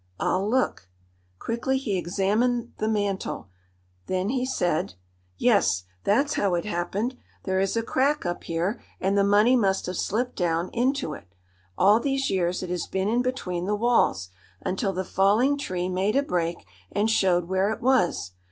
I'll look." Quickly he examined the mantel. Then he said: "Yes, that's how it happened. There is a crack up here, and the money must have slipped down into it. All these years it has been in between the walls, until the falling tree made a break and showed where it was.